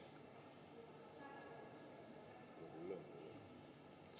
terima kasih pak